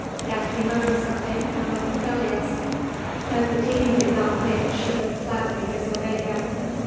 Daphne muttered something and looked rebellious; but the Dean did not think she would flatly disobey him.